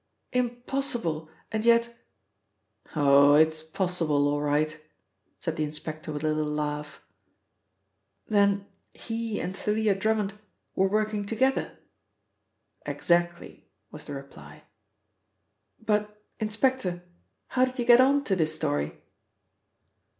Impossible! And yet " "Oh, it is possible all right," said the inspector with a little laugh, "Then he and Thalia Drummond were working together?" "Exactly," was the reply. "But, inspector, how did you get on to this story?"